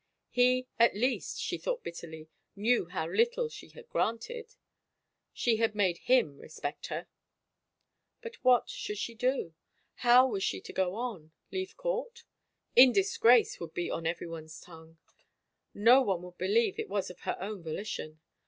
He at least, she thought bitterly, knew how little she had granted ! She had made him respect her 1 But what should she do? How was she to go on? Leave court? ... In disgrace, would be on everyone's tongue. No one would believe it was of her own voli tion.